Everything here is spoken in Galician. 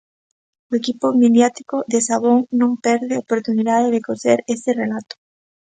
O equipo mediático de Sabón non perde oportunidade de coser ese relato.